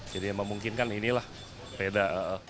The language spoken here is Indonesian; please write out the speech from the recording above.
jadi yang memungkinkan inilah sepeda